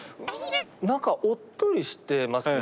何かおっとりしてますね。